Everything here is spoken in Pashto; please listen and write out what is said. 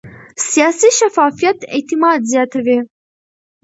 سیاسي شفافیت اعتماد زیاتوي